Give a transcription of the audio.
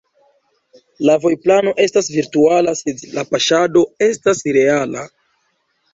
La vojplano estas virtuala, sed la paŝado estas reala.